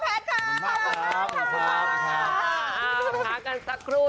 พบกันสักครู่